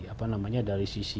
apa namanya dari sisi